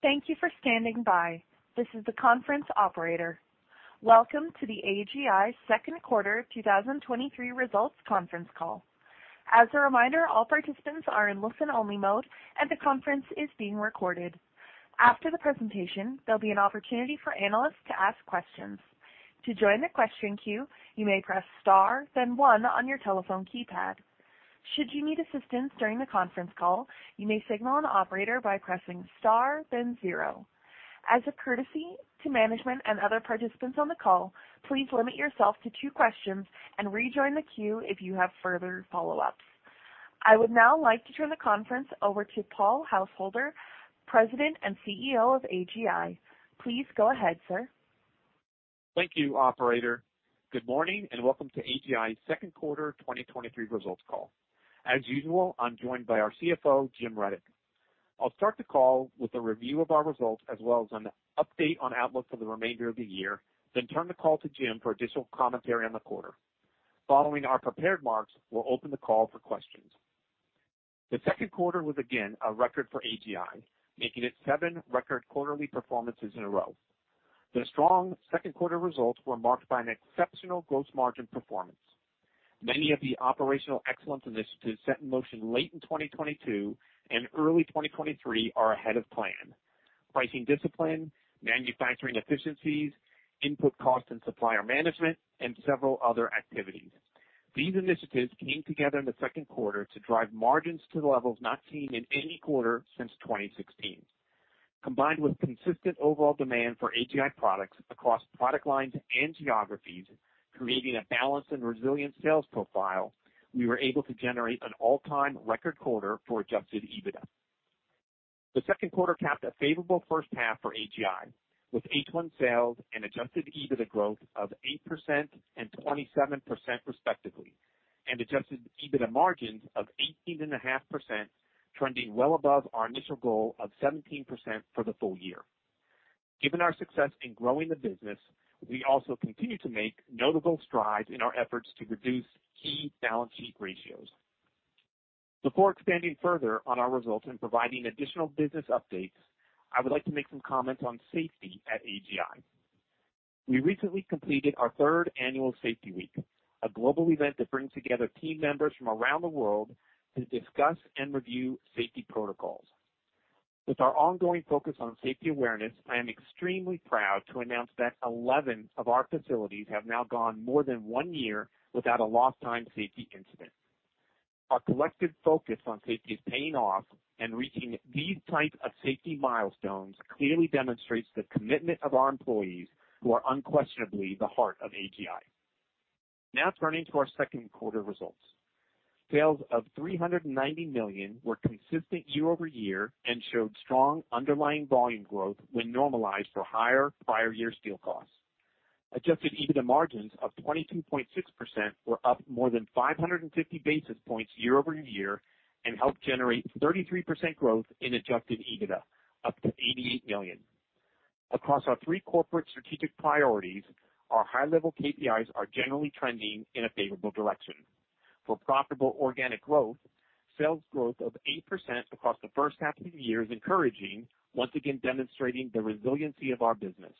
Thank you for standing by. This is the conference operator. Welcome to the AGI second quarter 2023 results conference call. As a reminder, all participants are in listen-only mode, and the conference is being recorded. After the presentation, there'll be an opportunity for analysts to ask questions. To join the question queue, you may press star, then one on your telephone keypad. Should you need assistance during the conference call, you may signal an operator by pressing star, then zero. As a courtesy to management and other participants on the call, please limit yourself to two questions and rejoin the queue if you have further follow-ups. I would now like to turn the conference over to Paul Householder, President and CEO of AGI. Please go ahead, sir. Thank you, operator. Good morning. Welcome to AGI's second quarter 2023 results call. As usual, I'm joined by our CFO, Jim Redick. I'll start the call with a review of our results as well as an update on outlook for the remainder of the year, then turn the call to Jim for additional commentary on the quarter. Following our prepared remarks, we'll open the call for questions. The second quarter was again a record for AGI, making it seven record quarterly performances in a row. The strong second quarter results were marked by an exceptional gross margin performance. Many of the operational excellence initiatives set in motion late in 2022 and early 2023 are ahead of plan. Pricing discipline, manufacturing efficiencies, input cost and supplier management, and several other activities. These initiatives came together in the second quarter to drive margins to the levels not seen in any quarter since 2016. Combined with consistent overall demand for AGI products across product lines and geographies, creating a balanced and resilient sales profile, we were able to generate an all-time record quarter for Adjusted EBITDA. The second quarter capped a favorable first half for AGI, with H1 sales and Adjusted EBITDA growth of 8% and 27%, respectively, and Adjusted EBITDA margins of 18.5%, trending well above our initial goal of 17% for the full year. Given our success in growing the business, we also continue to make notable strides in our efforts to reduce key balance sheet ratios. Before expanding further on our results and providing additional business updates, I would like to make some comments on safety at AGI. We recently completed our third annual Safety Week, a global event that brings together team members from around the world to discuss and review safety protocols. With our ongoing focus on safety awareness, I am extremely proud to announce that 11 of our facilities have now gone more than one year without a lost time safety incident. Our collective focus on safety is paying off, and reaching these type of safety milestones clearly demonstrates the commitment of our employees, who are unquestionably the heart of AGI. Now turning to our second quarter results. Sales of $390 million were consistent year-over-year and showed strong underlying volume growth when normalized for higher prior year steel costs. Adjusted EBITDA margins of 22.6% were up more than 550 basis points year-over-year and helped generate 33% growth in Adjusted EBITDA, up to $88 million. Across our three corporate strategic priorities, our high-level KPIs are generally trending in a favorable direction. For profitable organic growth, sales growth of 8% across the first half of the year is encouraging, once again demonstrating the resiliency of our business.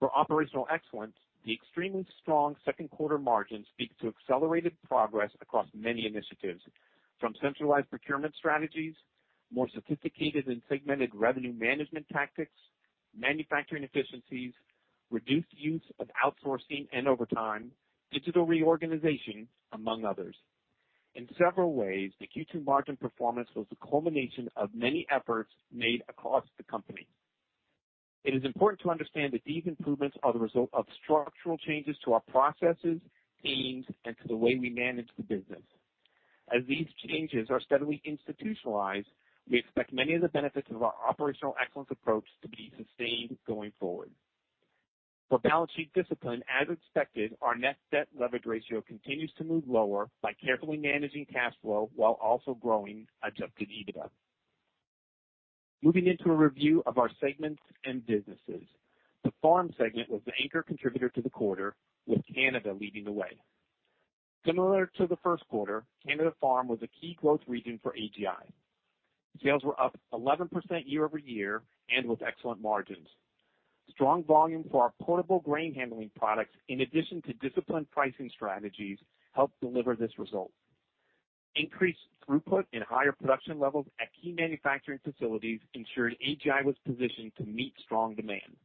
For operational excellence, the extremely strong second quarter margins speak to accelerated progress across many initiatives, from centralized procurement strategies, more sophisticated and segmented revenue management tactics, manufacturing efficiencies, reduced use of outsourcing and overtime, digital reorganization, among others. In several ways, the Q2 margin performance was the culmination of many efforts made across the company. It is important to understand that these improvements are the result of structural changes to our processes, teams, and to the way we manage the business. As these changes are steadily institutionalized, we expect many of the benefits of our operational excellence approach to be sustained going forward. For balance sheet discipline, as expected, our net debt leverage ratio continues to move lower by carefully managing cash flow while also growing Adjusted EBITDA. Moving into a review of our segments and businesses. The Farm segment was the anchor contributor to the quarter, with Canada leading the way. Similar to the first quarter, Canada Farm was a key growth region for AGI. Sales were up 11% year-over-year and with excellent margins. Strong volume for our portable grain handling products, in addition to disciplined pricing strategies, helped deliver this result. Increased throughput and higher production levels at key manufacturing facilities ensured AGI was positioned to meet strong demand.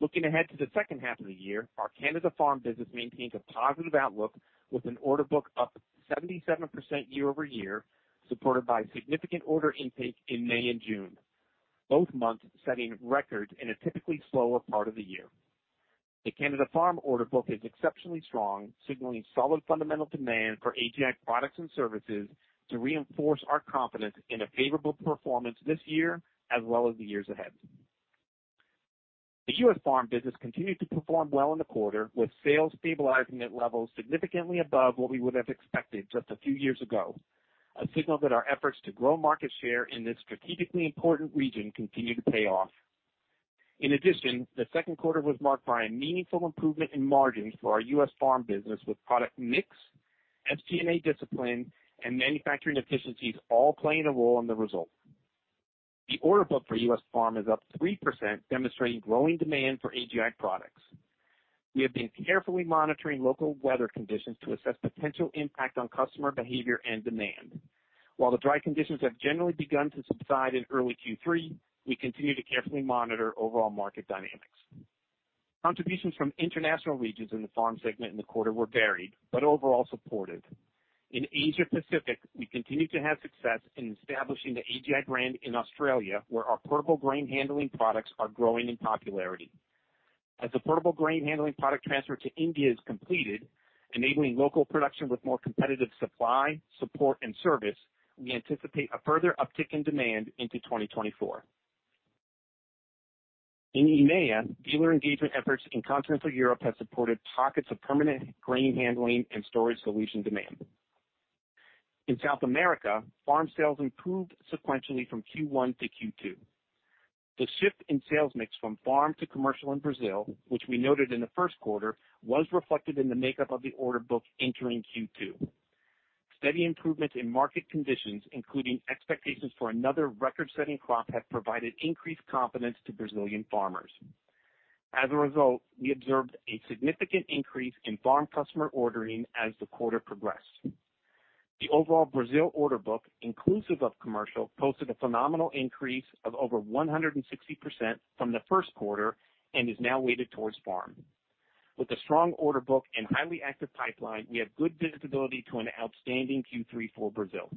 Looking ahead to the second half of the year, our Canada Farm business maintains a positive outlook with an order book up 77% year-over-year, supported by significant order intake in May and June, both months setting records in a typically slower part of the year. The Canada Farm order book is exceptionally strong, signaling solid fundamental demand for AGI products and services to reinforce our confidence in a favorable performance this year as well as the years ahead. The US Farm business continued to perform well in the quarter, with sales stabilizing at levels significantly above what we would have expected just a few years ago, a signal that our efforts to grow market share in this strategically important region continue to pay off.... In addition, the second quarter was marked by a meaningful improvement in margins for our US Farm business, with product mix, SG&A discipline, and manufacturing efficiencies all playing a role in the result. The order book for US Farm is up 3%, demonstrating growing demand for AGI products. We have been carefully monitoring local weather conditions to assess potential impact on customer behavior and demand. While the dry conditions have generally begun to subside in early Q3, we continue to carefully monitor overall market dynamics. Contributions from international regions in the Farm segment in the quarter were varied, but overall supportive. In Asia Pacific, we continued to have success in establishing the AGI brand in Australia, where our portable grain handling products are growing in popularity. As the portable grain handling product transfer to India is completed, enabling local production with more competitive supply, support, and service, we anticipate a further uptick in demand into 2024. In EMEA, dealer engagement efforts in continental Europe have supported pockets of permanent grain handling and storage solution demand. In South America, farm sales improved sequentially from Q1 to Q2. The shift in sales mix from farm to commercial in Brazil, which we noted in the first quarter, was reflected in the makeup of the order book entering Q2. Steady improvements in market conditions, including expectations for another record-setting crop, have provided increased confidence to Brazilian farmers. As a result, we observed a significant increase in farm customer ordering as the quarter progressed. The overall Brazil order book, inclusive of commercial, posted a phenomenal increase of over 160% from the first quarter and is now weighted towards farm. With a strong order book and highly active pipeline, we have good visibility to an outstanding Q3 for Brazil.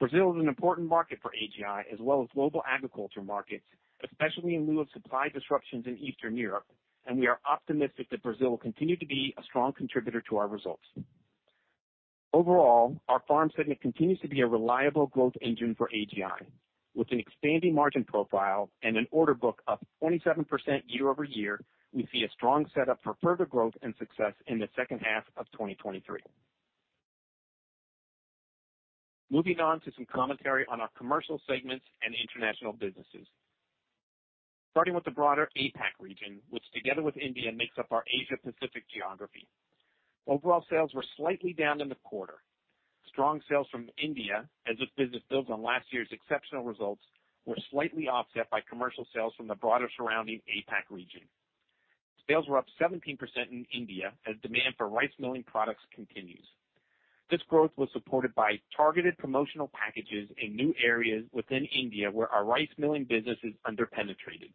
Brazil is an important market for AGI as well as global agriculture markets, especially in lieu of supply disruptions in Eastern Europe, and we are optimistic that Brazil will continue to be a strong contributor to our results. Overall, our Farm segment continues to be a reliable growth engine for AGI. With an expanding margin profile and an order book up 27% year-over-year, we see a strong setup for further growth and success in the second half of 2023. Moving on to some commentary on our Commercial segments and international businesses. Starting with the broader APAC region, which together with India, makes up our Asia Pacific geography. Overall sales were slightly down in the quarter. Strong sales from India, as this business builds on last year's exceptional results, were slightly offset by commercial sales from the broader surrounding APAC region. Sales were up 17% in India as demand for rice milling products continues. This growth was supported by targeted promotional packages in new areas within India, where our rice milling business is under-penetrated.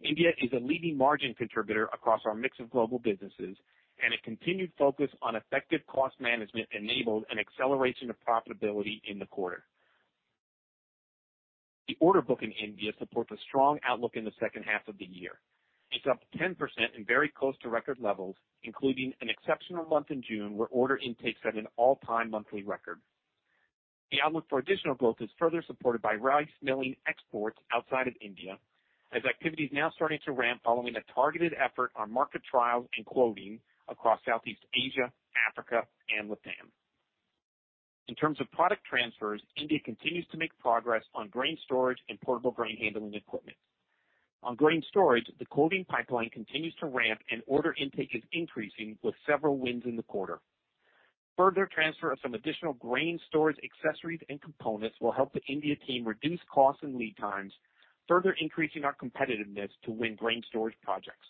India is a leading margin contributor across our mix of global businesses, and a continued focus on effective cost management enabled an acceleration of profitability in the quarter. The order book in India supports a strong outlook in the second half of the year. It's up 10% and very close to record levels, including an exceptional month in June, where order intakes set an all-time monthly record. The outlook for additional growth is further supported by rice milling exports outside of India, as activity is now starting to ramp following a targeted effort on market trials and quoting across Southeast Asia, Africa, and LATAM. In terms of product transfers, India continues to make progress on grain storage and portable grain handling equipment. On grain storage, the quoting pipeline continues to ramp and order intake is increasing, with several wins in the quarter. Further transfer of some additional grain storage accessories and components will help the India team reduce costs and lead times, further increasing our competitiveness to win grain storage projects.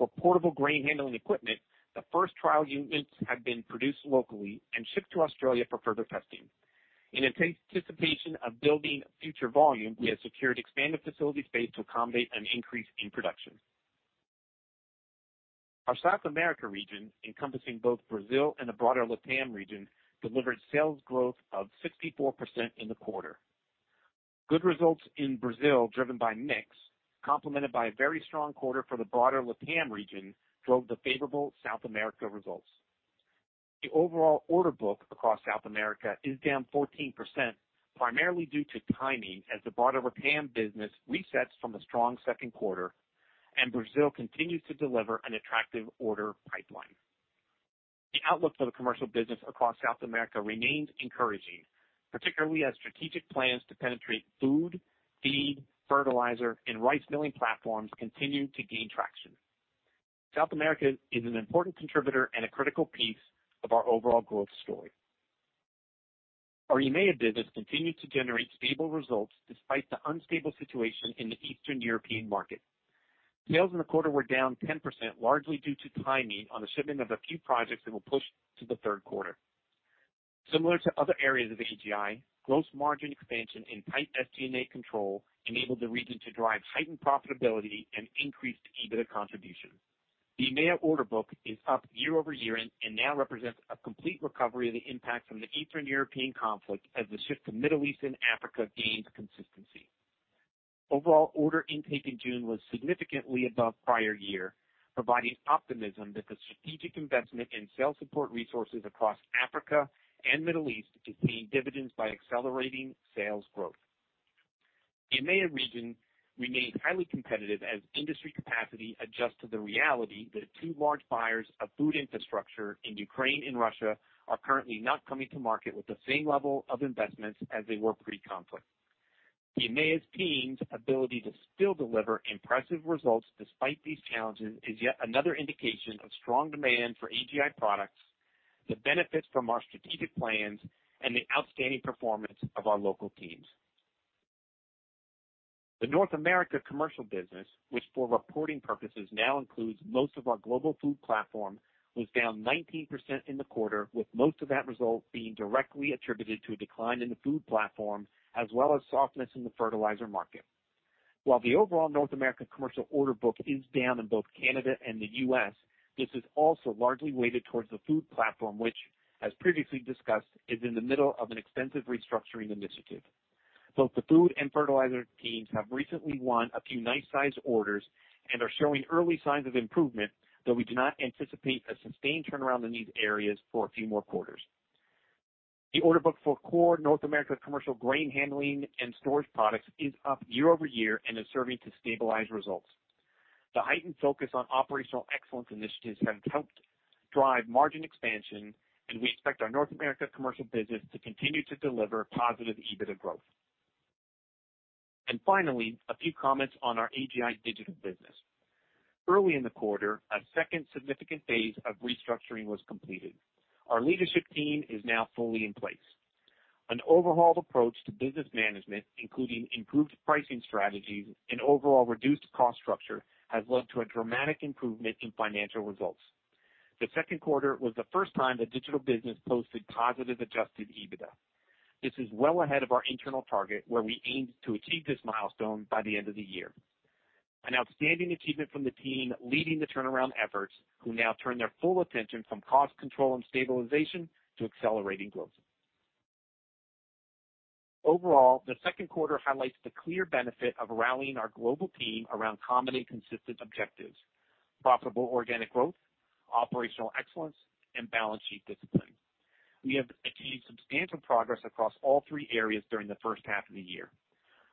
For portable grain handling equipment, the first trial units have been produced locally and shipped to Australia for further testing. In anticipation of building future volume, we have secured expanded facility space to accommodate an increase in production. Our South America region, encompassing both Brazil and the broader LATAM region, delivered sales growth of 64% in the quarter. Good results in Brazil, driven by mix, complemented by a very strong quarter for the broader LATAM region, drove the favorable South America results. The overall order book across South America is down 14%, primarily due to timing, as the broader LATAM business resets from a strong second quarter and Brazil continues to deliver an attractive order pipeline. The outlook for the Commercial business across South America remains encouraging, particularly as strategic plans to penetrate food, feed, fertilizer, and rice milling platforms continue to gain traction. South America is an important contributor and a critical piece of our overall growth story. Our EMEA business continued to generate stable results despite the unstable situation in the Eastern European market. Sales in the quarter were down 10%, largely due to timing on the shipment of a few projects that were pushed to the third quarter. Similar to other areas of AGI, gross margin expansion and tight SG&A control enabled the region to drive heightened profitability and increased EBITDA contribution. The EMEA order book is up year-over-year and now represents a complete recovery of the impact from the Eastern European conflict as the shift to Middle East and Africa gains consistency. Overall, order intake in June was significantly above prior year, providing optimism that the strategic investment in sales support resources across Africa and Middle East is paying dividends by accelerating sales growth. The EMEA region remains highly competitive as industry capacity adjusts to the reality that two large buyers of food infrastructure in Ukraine and Russia are currently not coming to market with the same level of investments as they were pre-conflict. The EMEA's team's ability to still deliver impressive results despite these challenges is yet another indication of strong demand for AGI products, the benefits from our strategic plans, and the outstanding performance of our local teams. The North America Commercial business, which for reporting purposes now includes most of our global food platform, was down 19% in the quarter, with most of that result being directly attributed to a decline in the food platform, as well as softness in the fertilizer market. While the overall North America commercial order book is down in both Canada and the U.S., this is also largely weighted towards the food platform, which, as previously discussed, is in the middle of an extensive restructuring initiative. Both the food and fertilizer teams have recently won a few nice-sized orders and are showing early signs of improvement, though we do not anticipate a sustained turnaround in these areas for a few more quarters. The order book for core North America commercial grain handling and storage products is up year-over-year and is serving to stabilize results. The heightened focus on operational excellence initiatives have helped drive margin expansion, and we expect our North America Commercial business to continue to deliver positive EBITDA growth. Finally, a few comments on our AGI Digital business. Early in the quarter, a second significant phase of restructuring was completed. Our leadership team is now fully in place. An overhauled approach to business management, including improved pricing strategies and overall reduced cost structure, has led to a dramatic improvement in financial results. The second quarter was the first time the Digital business posted positive Adjusted EBITDA. This is well ahead of our internal target, where we aimed to achieve this milestone by the end of the year. An outstanding achievement from the team leading the turnaround efforts, who now turn their full attention from cost control and stabilization to accelerating growth. Overall, the second quarter highlights the clear benefit of rallying our global team around common and consistent objectives: profitable organic growth, operational excellence, and balance sheet discipline. We have achieved substantial progress across all three areas during the first half of the year.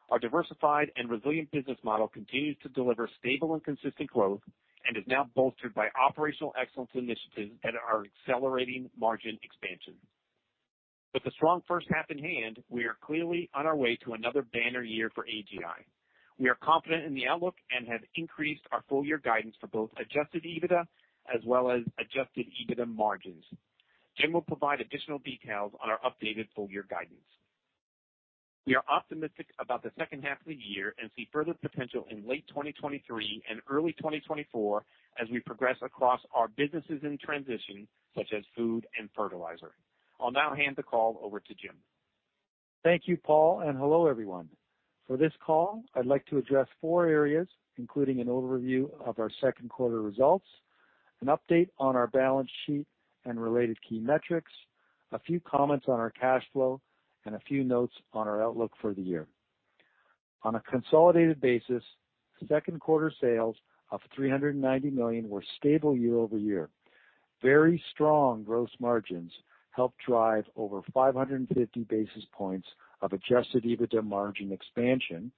Our diversified and resilient business model continues to deliver stable and consistent growth and is now bolstered by operational excellence initiatives that are accelerating margin expansion. With a strong first half in hand, we are clearly on our way to another banner year for AGI. We are confident in the outlook and have increased our full year guidance for both Adjusted EBITDA as well as Adjusted EBITDA margins. Jim will provide additional details on our updated full-year guidance. We are optimistic about the second half of the year and see further potential in late 2023 and early 2024 as we progress across our businesses in transition, such as food and fertilizer. I'll now hand the call over to Jim. Thank you, Paul, and hello, everyone. For this call, I'd like to address four areas, including an overview of our second quarter results, an update on our balance sheet and related key metrics, a few comments on our cash flow, and a few notes on our outlook for the year. On a consolidated basis, second quarter sales of $390 million were stable year-over-year. Very strong gross margins helped drive over 550 basis points of Adjusted EBITDA margin expansion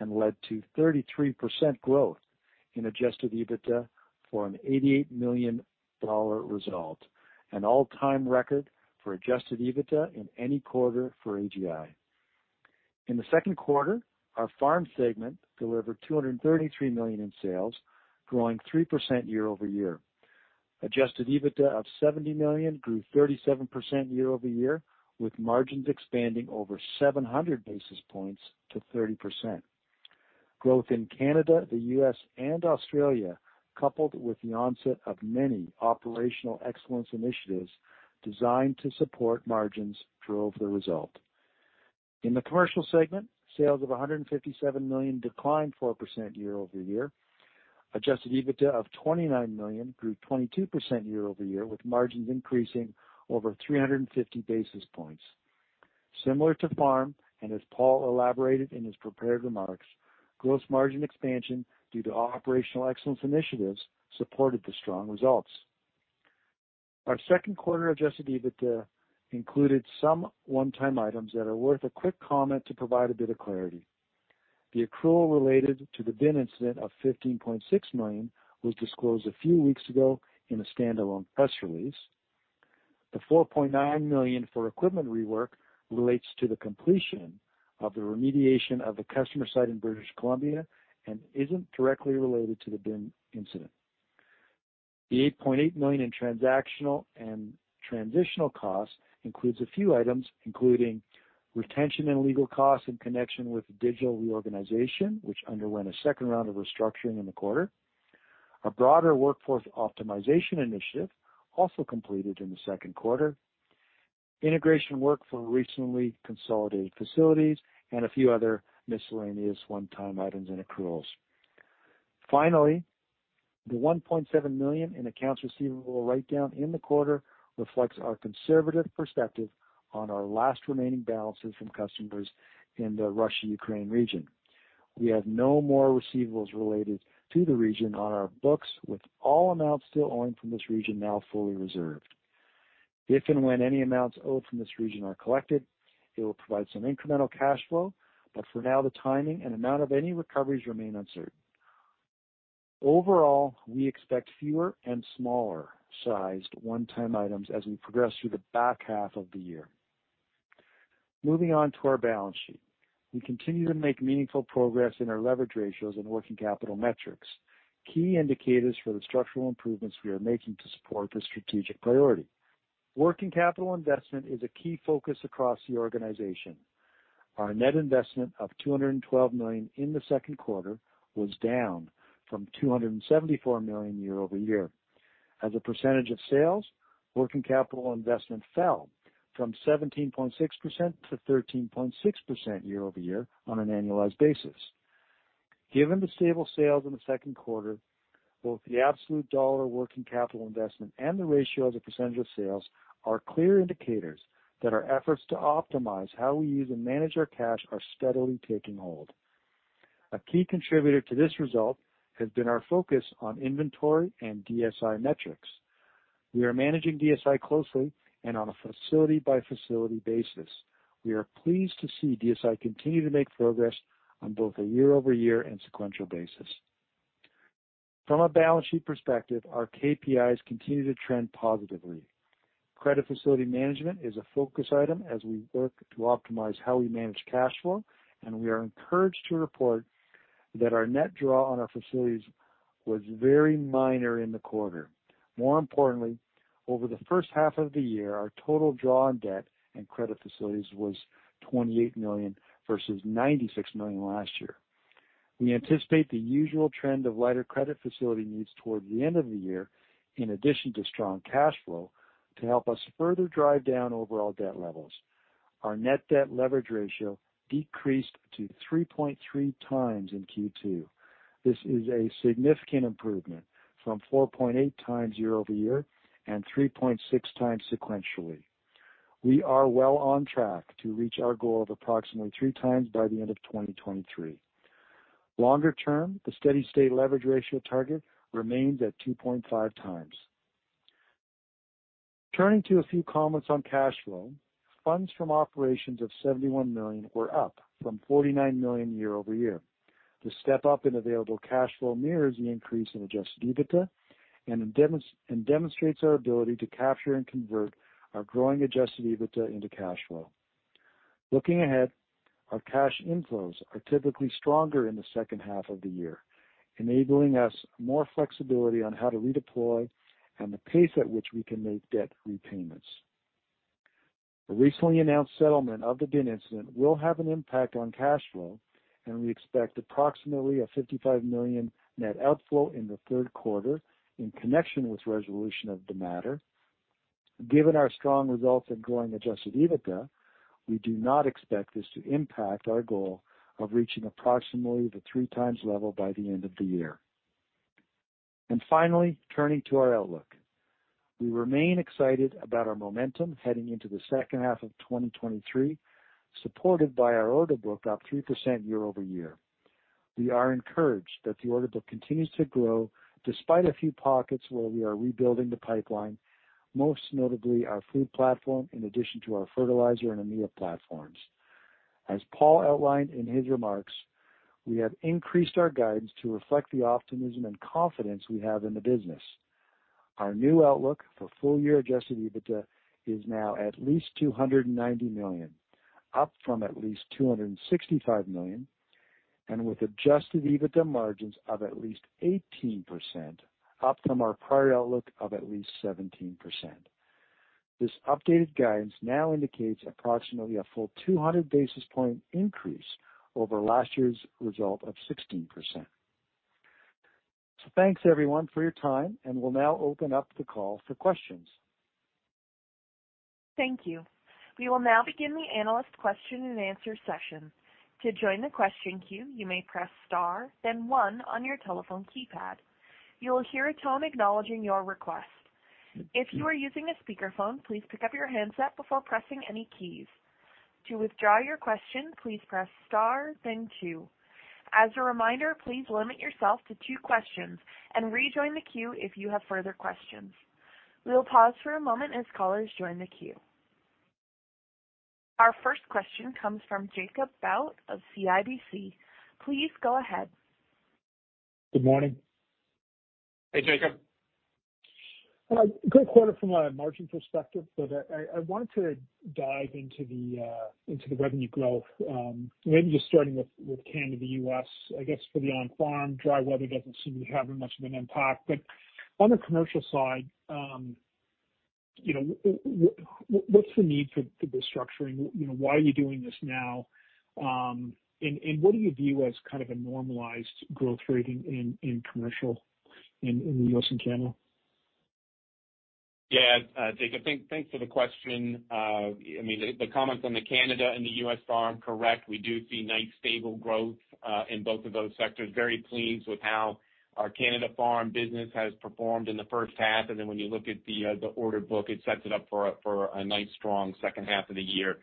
and led to 33% growth in Adjusted EBITDA for an $88 million result, an all-time record for Adjusted EBITDA in any quarter for AGI. In the second quarter, our Farm segment delivered $233 million in sales, growing 3% year-over-year. Adjusted EBITDA of $70 million grew 37% year-over-year, with margins expanding over 700 basis points to 30%. Growth in Canada, the U.S., and Australia, coupled with the onset of many operational excellence initiatives designed to support margins, drove the result. In the Commercial segment, sales of $157 million declined 4% year-over-year. Adjusted EBITDA of $29 million grew 22% year-over-year, with margins increasing over 350 basis points. Similar to Farm, and as Paul elaborated in his prepared remarks, gross margin expansion due to operational excellence initiatives supported the strong results. Our second quarter Adjusted EBITDA included some one-time items that are worth a quick comment to provide a bit of clarity. The accrual related to the Bin Incident of $15.6 million was disclosed a few weeks ago in a standalone press release. The 4.9 million for equipment rework relates to the completion of the remediation of a customer site in British Columbia and isn't directly related to the Bin Incident. The 8.8 million in transactional and transitional costs includes a few items, including retention and legal costs in connection with the digital reorganization, which underwent a second round of restructuring in the quarter, a broader workforce optimization initiative also completed in the second quarter, integration work for recently consolidated facilities, and a few other miscellaneous one-time items and accruals. Finally, the 1.7 million in accounts receivable write-down in the quarter reflects our conservative perspective on our last remaining balances from customers in the Russia-Ukraine region. We have no more receivables related to the region on our books, with all amounts still owing from this region now fully reserved. If and when any amounts owed from this region are collected, it will provide some incremental cash flow, but for now, the timing and amount of any recoveries remain uncertain. Overall, we expect fewer and smaller-sized one-time items as we progress through the back half of the year. Moving on to our balance sheet. We continue to make meaningful progress in our leverage ratios and working capital metrics, key indicators for the structural improvements we are making to support this strategic priority. Working capital investment is a key focus across the organization. Our net investment of $212 million in the second quarter was down from $274 million year-over-year. As a percentage of sales, working capital investment fell from 17.6% to 13.6% year-over-year on an annualized basis. Given the stable sales in the second quarter, both the absolute dollar working capital investment and the ratio as a percentage of sales are clear indicators that our efforts to optimize how we use and manage our cash are steadily taking hold. A key contributor to this result has been our focus on inventory and DSI metrics. We are managing DSI closely and on a facility-by-facility basis. We are pleased to see DSI continue to make progress on both a year-over-year and sequential basis. From a balance sheet perspective, our KPIs continue to trend positively. Credit facility management is a focus item as we work to optimize how we manage cash flow, and we are encouraged to report that our net draw on our facilities was very minor in the quarter. More importantly, over the first half of the year, our total draw on debt and credit facilities was $28 million versus $96 million last year. We anticipate the usual trend of lighter credit facility needs toward the end of the year, in addition to strong cash flow, to help us further drive down overall debt levels. Our net debt leverage ratio decreased to 3.3x in Q2. This is a significant improvement from 4.8x year-over-year and 3.6x sequentially. We are well on track to reach our goal of approximately 3x by the end of 2023. Longer term, the steady-state leverage ratio target remains at 2.5x. Turning to a few comments on cash flow. Funds from operations of $71 million were up from $49 million year-over-year. The step up in available cash flow mirrors the increase in Adjusted EBITDA and demonstrates our ability to capture and convert our growing Adjusted EBITDA into cash flow. Looking ahead, our cash inflows are typically stronger in the second half of the year, enabling us more flexibility on how to redeploy and the pace at which we can make debt repayments. The recently announced settlement of the Bin Incident will have an impact on cash flow, and we expect approximately a $55 million net outflow in the third quarter in connection with resolution of the matter. Given our strong results in growing Adjusted EBITDA, we do not expect this to impact our goal of reaching approximately the 3x level by the end of the year. Finally, turning to our outlook. We remain excited about our momentum heading into the second half of 2023, supported by our order book, up 3% year-over-year. We are encouraged that the order book continues to grow despite a few pockets where we are rebuilding the pipeline, most notably our food platform, in addition to our fertilizer and ammonia platforms. As Paul outlined in his remarks, we have increased our guidance to reflect the optimism and confidence we have in the business. Our new outlook for full-year Adjusted EBITDA is now at least $290 million, up from at least $265 million, and with Adjusted EBITDA margins of at least 18%, up from our prior outlook of at least 17%. This updated guidance now indicates approximately a full 200 basis point increase over last year's result of 16%. Thanks, everyone, for your time, and we'll now open up the call for questions. Thank you. We will now begin the analyst question-and-answer session. To join the question queue, you may press star, then one on your telephone keypad. You will hear a tone acknowledging your request. If you are using a speakerphone, please pick up your handset before pressing any keys. To withdraw your question, please press star, then two. As a reminder, please limit yourself to two questions and rejoin the queue if you have further questions. We will pause for a moment as callers join the queue. Our first question comes from Jacob Bout of CIBC. Please go ahead. Good morning. Hey, Jacob. Good quarter from a margin perspective, but I, I wanted to dive into the revenue growth, maybe just starting with, with Canada, the U.S. I guess for the on-farm, dry weather doesn't seem to be having much of an impact. On the commercial side, you know, what's the need for, for the restructuring? You know, why are you doing this now? And what do you view as kind of a normalized growth rate in, in, in commercial in, in the U.S. and Canada? Yeah. Jacob, thank, thanks for the question. I mean, the, the comments on the Canada Farm and the US Farm, correct. We do see nice stable growth in both of those sectors. Very pleased with how our Canada Farm business has performed in the first half, and then when you look at the order book, it sets it up for a, for a nice, strong second half of the year.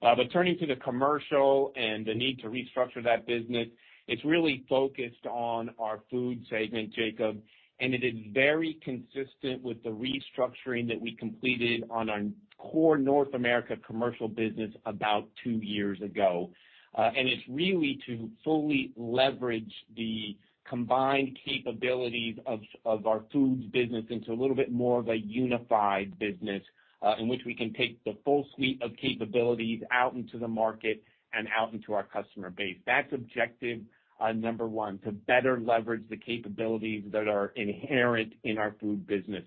But turning to the commercial and the need to restructure that business, it's really focused on our Food segment, Jacob, and it is very consistent with the restructuring that we completed on our core North America Commercial business about two years ago. It's really to fully leverage the combined capabilities of, of our foods business into a little bit more of a unified business, in which we can take the full suite of capabilities out into the market and out into our customer base. That's objective, number one, to better leverage the capabilities that are inherent in our food business.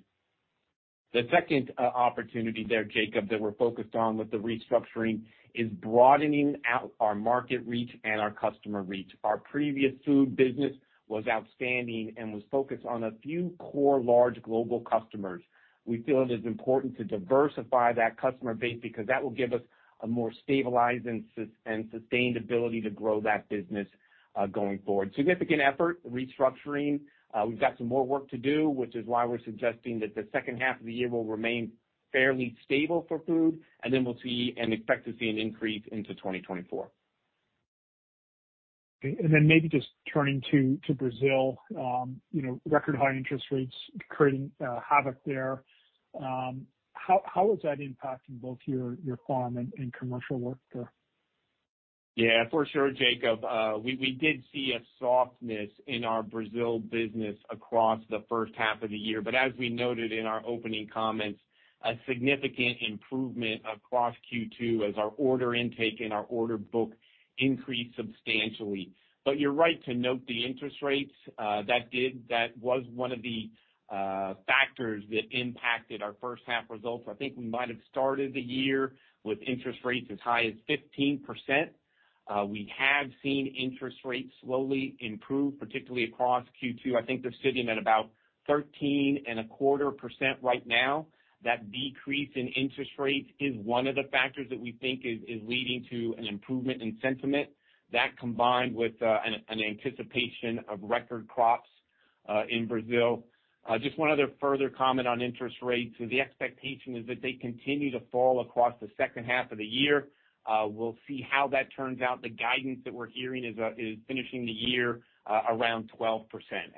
The second opportunity there, Jacob, that we're focused on with the restructuring is broadening out our market reach and our customer reach. Our previous food business was outstanding and was focused on a few core, large global customers. We feel it is important to diversify that customer base because that will give us a more stabilized and sustained ability to grow that business going forward. Significant effort, restructuring, we've got some more work to do, which is why we're suggesting that the second half of the year will remain fairly stable for food, and then we'll see and expect to see an increase into 2024. Maybe just turning to, to Brazil, you know, record high interest rates creating, havoc there. How, how is that impacting both your, your Farm and, and Commercial work there? Yeah, for sure, Jacob. We, we did see a softness in our Brazil business across the first half of the year, but as we noted in our opening comments, a significant improvement across Q2 as our order intake and our order book increased substantially. You're right to note the interest rates, that was one of the factors that impacted our first half results. I think we might have started the year with interest rates as high as 15%. We have seen interest rates slowly improve, particularly across Q2. I think they're sitting at about 13.25% right now. That decrease in interest rates is one of the factors that we think is, is leading to an improvement in sentiment. That, combined with, an anticipation of record crops, in Brazil. Just one other further comment on interest rates. The expectation is that they continue to fall across the second half of the year. We'll see how that turns out. The guidance that we're hearing is, is finishing the year, around 12%.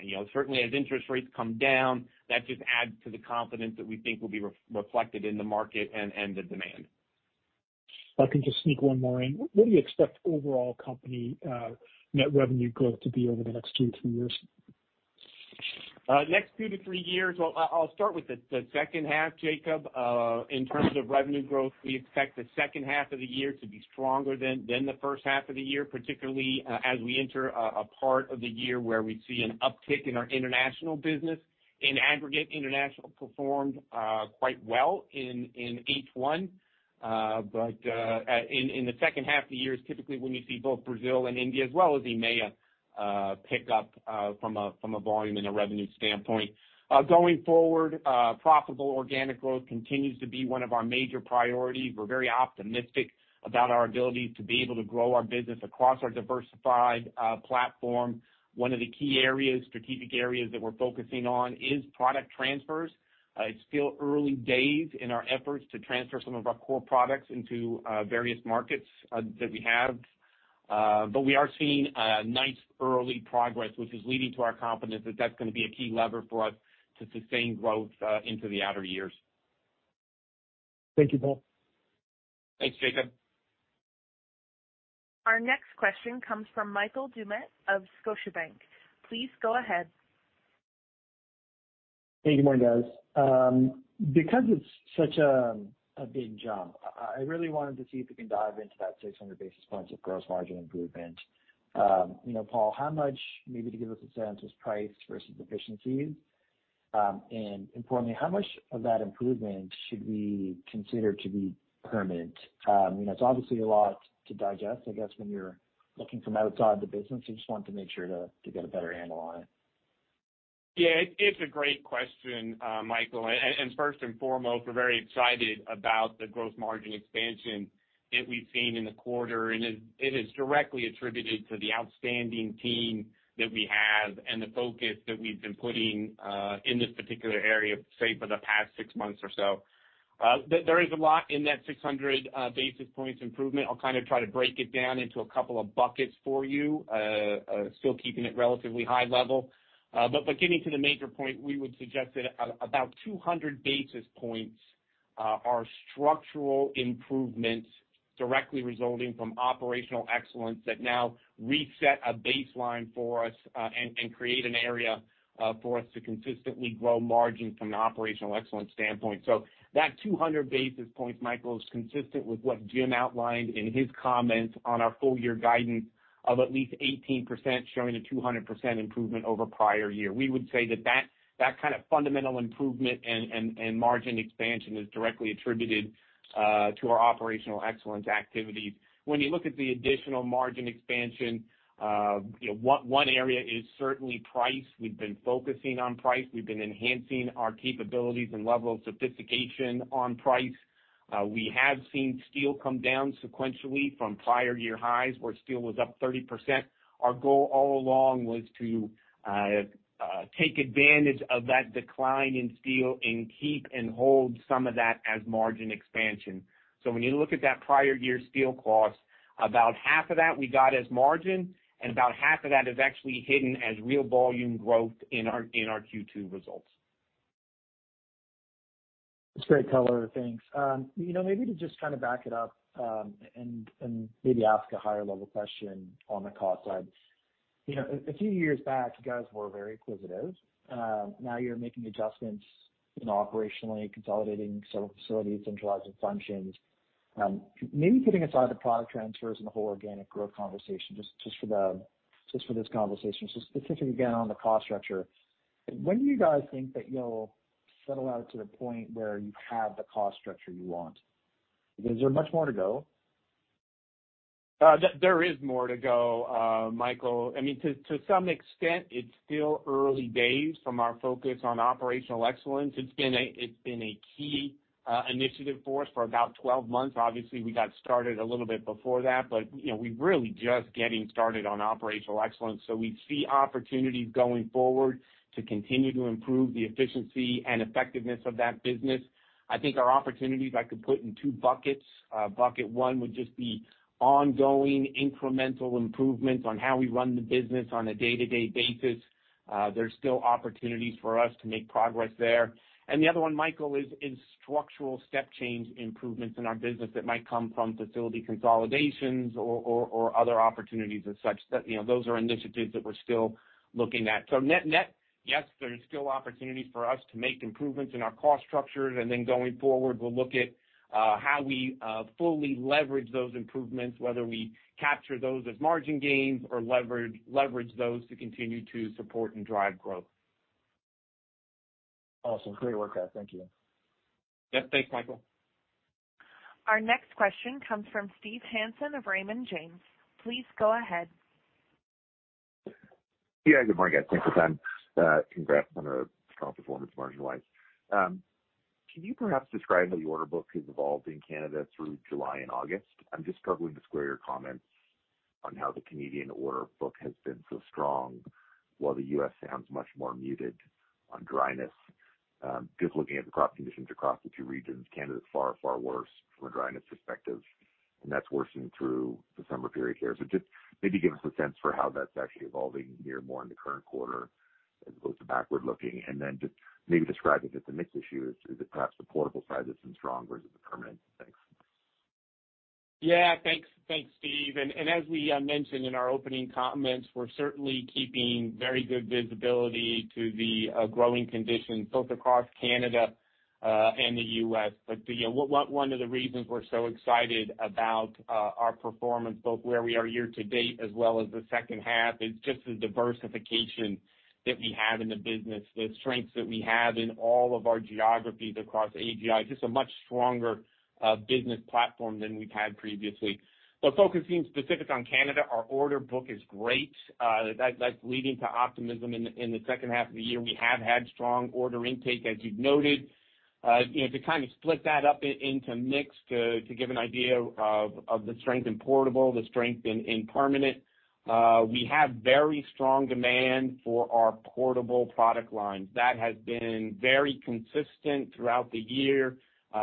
You know, certainly as interest rates come down, that just adds to the confidence that we think will be reflected in the market and, and the demand. If I can just sneak one more in. What do you expect overall company, net revenue growth to be over the next two, three years? Next two to three years, well, I'll, I'll start with the second half, Jacob. In terms of revenue growth, we expect the second half of the year to be stronger than the first half of the year, particularly, as we enter a part of the year where we see an uptick in our international business. In aggregate, international performed quite well in H1. In the second half of the year is typically when we see both Brazil and India, as well as EMEA, pick up from a volume and a revenue standpoint. Going forward, profitable organic growth continues to be one of our major priorities. We're very optimistic about our ability to be able to grow our business across our diversified platform. One of the key areas, strategic areas that we're focusing on is product transfers. It's still early days in our efforts to transfer some of our core products into various markets that we have. We are seeing nice early progress, which is leading to our confidence that that's gonna be a key lever for us to sustain growth into the outer years. Thank you, Paul. Thanks, Jacob. Our next question comes from Michael Doumet of Scotiabank. Please go ahead. Hey, good morning, guys. Because it's such a big jump, I, I really wanted to see if you can dive into that 600 basis points of gross margin improvement. You know, Paul, how much, maybe to give us a sense, was priced versus efficiencies? And importantly, how much of that improvement should we consider to be permanent? You know, it's obviously a lot to digest, I guess, when you're looking from outside the business. I just wanted to make sure to, to get a better handle on it. Yeah, it, it's a great question, Michael. And, and first and foremost, we're very excited about the gross margin expansion that we've seen in the quarter, and it, it is directly attributed to the outstanding team that we have and the focus that we've been putting in this particular area, say, for the past six months or so. There, there is a lot in that 600 basis points improvement. I'll kind of try to break it down into a couple of buckets for you, still keeping it relatively high level. Getting to the major point, we would suggest that about 200 basis points are structural improvements directly resulting from operational excellence that now reset a baseline for us, and, and create an area for us to consistently grow margin from an operational excellence standpoint. That 200 basis points, Michael, is consistent with what Jim outlined in his comments on our full year guidance of at least 18%, showing a 200% improvement over prior year. We would say that, that, that kind of fundamental improvement and, and, and margin expansion is directly attributed to our operational excellence activities. When you look at the additional margin expansion, you know, one, one area is certainly price. We've been focusing on price. We've been enhancing our capabilities and level of sophistication on price. We have seen steel come down sequentially from prior year highs, where steel was up 30%. Our goal all along was to take advantage of that decline in steel and keep and hold some of that as margin expansion. When you look at that prior year steel cost, about half of that we got as margin, and about half of that is actually hidden as real volume growth in our, in our Q2 results. That's great color. Thanks. you know, maybe to just kind of back it up, and, and maybe ask a higher level question on the cost side. You know, a, a few years back, you guys were very inquisitive. Now you're making adjustments, you know, operationally, consolidating several facilities, centralizing functions. maybe putting aside the product transfers and the whole organic growth conversation, just, just for the, just for this conversation. So specifically, again, on the cost structure, when do you guys think that you'll settle out to the point where you have the cost structure you want? Is there much more to go? There, there is more to go, Michael. I mean, to, to some extent, it's still early days from our focus on operational excellence. It's been a, it's been a key initiative for us for about 12 months. Obviously, we got started a little bit before that, but, you know, we're really just getting started on operational excellence. We see opportunities going forward to continue to improve the efficiency and effectiveness of that business. I think our opportunities I could put in two buckets. Bucket one would just be ongoing incremental improvements on how we run the business on a day-to-day basis. There's still opportunities for us to make progress there. The other one, Michael, is structural step change improvements in our business that might come from facility consolidations or, or, or other opportunities as such. That, you know, those are initiatives that we're still looking at. Net, net, yes, there are still opportunities for us to make improvements in our cost structures, and then going forward, we'll look at how we fully leverage those improvements, whether we capture those as margin gains or leverage those to continue to support and drive growth. Awesome. Great workout. Thank you. Yes, thanks, Michael. Our next question comes from Steve Hansen of Raymond James. Please go ahead. Yeah, good morning, guys. Thanks for the time. Congrats on a strong performance margin-wise. Can you perhaps describe how the order book has evolved in Canada through July and August? I'm just struggling to square your comments on how the Canadian order book has been so strong, while the U.S. sounds much more muted on dryness. Just looking at the crop conditions across the two regions, Canada is far, far worse from a dryness perspective, and that's worsened through the summer period here. Just maybe give us a sense for how that's actually evolving here more in the current quarter, as opposed to backward-looking. Then just maybe describe if it's a mix issue, is it perhaps the portable side that's been strong, or is it the permanent? Thanks. Yeah, thanks. Thanks, Steve. As we mentioned in our opening comments, we're certainly keeping very good visibility to the growing conditions, both across Canada, and the U.S. You know, one, one of the reasons we're so excited about our performance, both where we are year-to-date as well as the second half, is just the diversification that we have in the business, the strengths that we have in all of our geographies across AGI. Just a much stronger business platform than we've had previously. Focusing specifically on Canada, our order book is great. That, that's leading to optimism in the, in the second half of the year. We have had strong order intake, as you've noted. You know, to kind of split that up into mix, to, to give an idea of, of the strength in portable, the strength in, in permanent, we have very strong demand for our portable product lines. That has been very consistent throughout the year.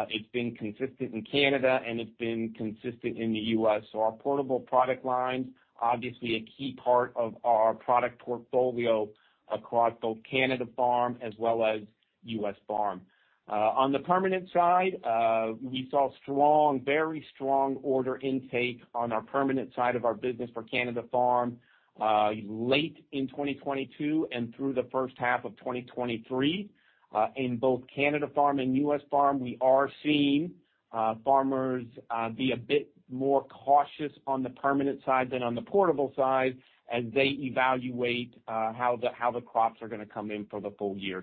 It's been consistent in Canada, and it's been consistent in the U.S. Our portable product lines, obviously a key part of our product portfolio across both Canada Farm as well as US Farm. On the permanent side, we saw strong, very strong order intake on our permanent side of our business for Canada Farm, late in 2022 and through the first half of 2023. In both Canada Farm and US Farm, we are seeing farmers be a bit more cautious on the permanent side than on the portable side as they evaluate how the crops are gonna come in for the full year.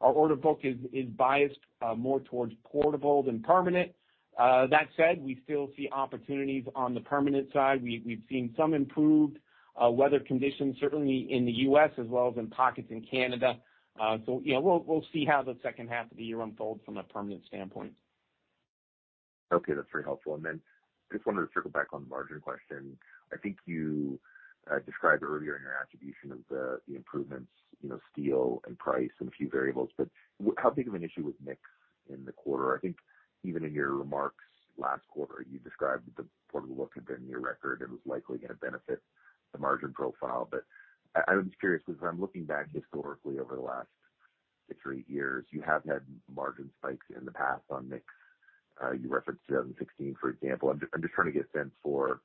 Our order book is biased more towards portable than permanent. That said, we still see opportunities on the permanent side. We've seen some improved weather conditions, certainly in the U.S. as well as in pockets in Canada. You know, we'll see how the second half of the year unfolds from a permanent standpoint. Okay, that's very helpful. Then just wanted to circle back on the margin question. I think you described earlier in your attribution of the, the improvements, you know, steel and price and a few variables, but how big of an issue was mix in the quarter? I think even in your remarks last quarter, you described that the portable book had been near record and was likely going to benefit the margin profile. I, I'm just curious, because I'm looking back historically over the last six or eight years, you have had margin spikes in the past on mix. You referenced 2016, for example. I'm just trying to get a sense for, you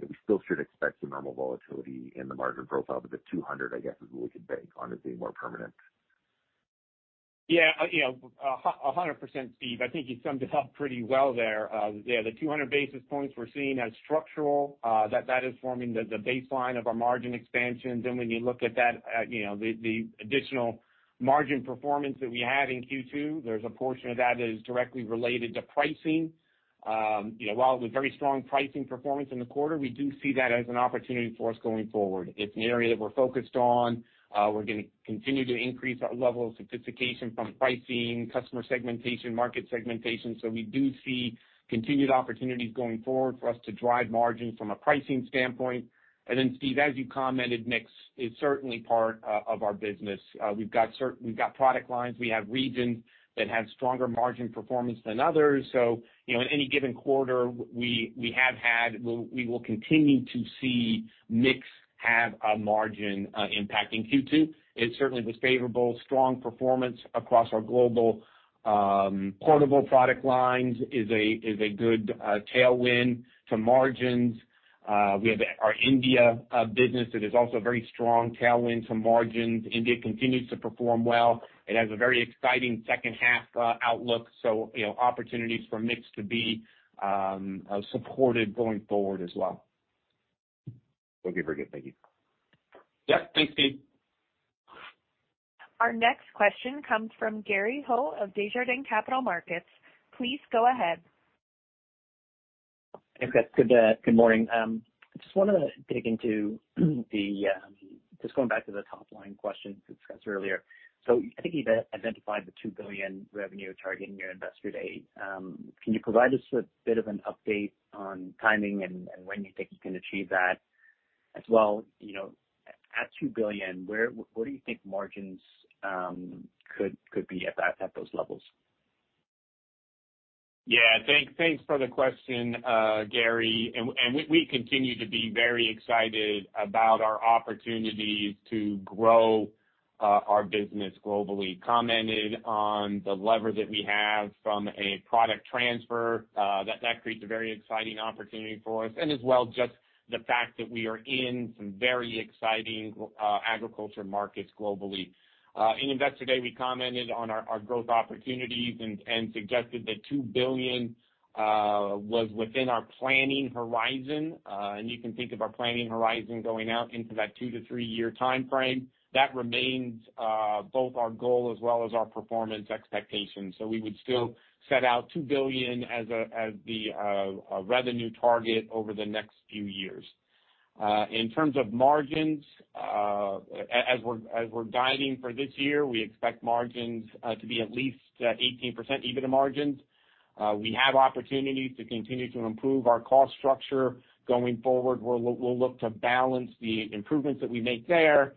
know, we still should expect some normal volatility in the margin profile, but the 200, I guess, is what we could bank on as being more permanent. Yeah, you know, a 100%, Steve. I think you summed it up pretty well there. Yeah, the 200 basis points we're seeing as structural, that is forming the baseline of our margin expansion. When you look at that, you know, the additional margin performance that we had in Q2, there's a portion of that is directly related to pricing. You know, while it was very strong pricing performance in the quarter, we do see that as an opportunity for us going forward. It's an area that we're focused on. We're gonna continue to increase our level of sophistication from pricing, customer segmentation, market segmentation. We do see continued opportunities going forward for us to drive margins from a pricing standpoint. Steve, as you commented, mix is certainly part of our business. We've got product lines, we have regions that have stronger margin performance than others. You know, in any given quarter, we, we have had, we, we will continue to see mix have a margin impact in Q2. It certainly was favorable. Strong performance across our global portable product lines is a, is a good tailwind to margins. We have our India business that is also very strong tailwind to margins. India continues to perform well, it has a very exciting second half outlook, you know, opportunities for mix to be supported going forward as well. Thank you very good. Thank you. Yep, thanks, Steve. Our next question comes from Gary Ho of Desjardins Capital Markets. Please go ahead. Hey, guys, good, good morning. I just wanted to dig into the, just going back to the top line question discussed earlier. I think you've identified the $2 billion revenue target in your Investor Day. Can you provide us with a bit of an update on timing and, and when you think you can achieve that? As well, you know, at, at $2 billion, what do you think margins could, could be at that, at those levels? Yeah, thank, thanks for the question, Gary. We, we continue to be very excited about our opportunities to grow our business globally. Commented on the lever that we have from a product transfer, that, that creates a very exciting opportunity for us, and as well, just the fact that we are in some very exciting agriculture markets globally. In Investor Day, we commented on our, our growth opportunities and, and suggested that $2 billion was within our planning horizon. You can think of our planning horizon going out into that two- to three-year timeframe. That remains both our goal as well as our performance expectations. We would still set out $2 billion as the a revenue target over the next few years. In terms of margins, as we're guiding for this year, we expect margins to be at least at 18% EBITDA margins. We have opportunities to continue to improve our cost structure. Going forward, we'll look to balance the improvements that we make there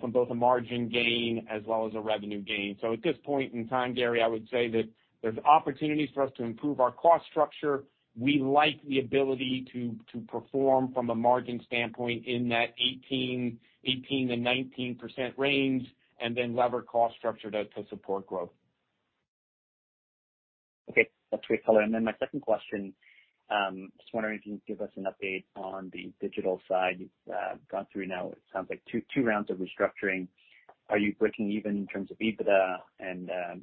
from both a margin gain as well as a revenue gain. At this point in time, Gary, I would say that there's opportunities for us to improve our cost structure. We like the ability to, to perform from a margin standpoint in that 18%-19% range, and then lever cost structure to, to support growth. Okay, that's great color. My second question, just wondering if you can give us an update on the Digital side. You've, gone through now, it sounds like two, two rounds of restructuring. Are you breaking even in terms of EBITDA?